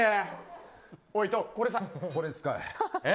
これ使え。